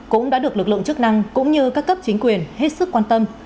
cũng đã được lực lượng chức năng cũng như các cấp chính quyền hết sức quan tâm